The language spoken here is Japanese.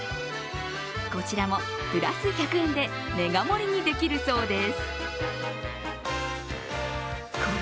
こちらもプラス１００円でメガ盛りにできるそうです。